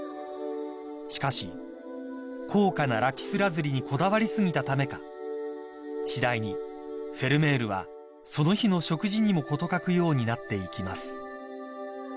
［しかし高価なラピスラズリにこだわり過ぎたためかしだいにフェルメールはその日の食事にも事欠くようになっていきます］